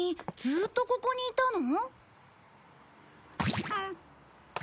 ずーっとここにいたの？